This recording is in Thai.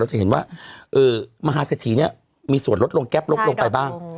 เราจะเห็นว่าเออมหาเสถียเนี่ยมีส่วนลดลงแก๊ปลดลงไปบ้าง